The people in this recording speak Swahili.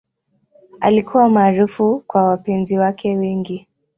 Alikuwa maarufu kwa wapenzi wake wengi.